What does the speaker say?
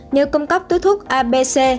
như cung cấp túi thuốc abc